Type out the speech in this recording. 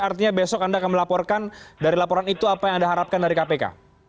artinya besok anda akan melaporkan dari laporan itu apa yang anda harapkan dari kpk